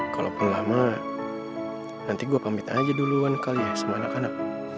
kalaupun lama nanti gue pamitan aja duluan kali ya sama anak anak